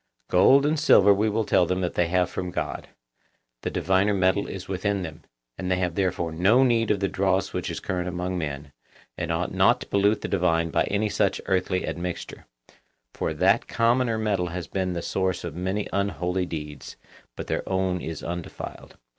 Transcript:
Gold and silver we will tell them that they have from God; the diviner metal is within them, and they have therefore no need of the dross which is current among men, and ought not to pollute the divine by any such earthly admixture; for that commoner metal has been the source of many unholy deeds, but their own is undefiled.